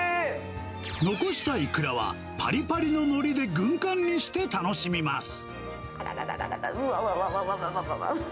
残したイクラは、ぱりぱりののりで軍艦にして楽しみます。